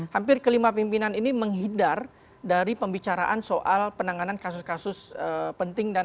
hampir kelima pimpinan ini menghindar dari pembicaraan soal penanganan kasus kasus penting